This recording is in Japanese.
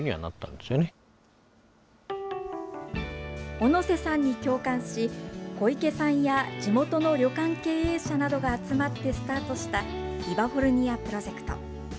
小野瀬さんに共感し、小池さんや地元の旅館経営者などが集まってスタートした、イバフォルニア・プロジェクト。